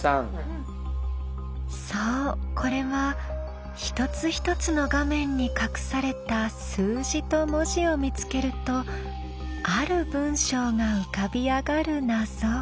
そうこれは一つ一つの画面に隠された数字と文字を見つけるとある文章が浮かび上がる謎。